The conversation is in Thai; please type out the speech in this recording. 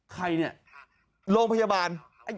ใครเนี่ยโรงพยาบาล